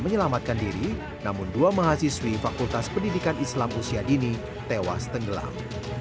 menyelamatkan diri namun dua mahasiswi fakultas pendidikan islam usia dini tewas tenggelam